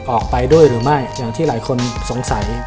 ออกไปด้วยหรือไม่อย่างที่หลายคนสงสัย